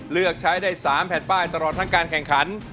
เลือกใช้ได้๓แผ่นป้ายตลอดทั้งการแข่งขัน